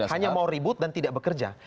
hanya mau ribut dan tidak bekerja